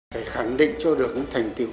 phải khẳng định cho được một thành tiêu